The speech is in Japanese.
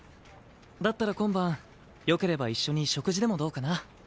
だったら今晩よければ一緒に食事でもどうかな？